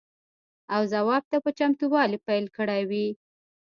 او ځواب ته په چتموالي پیل کړی وي.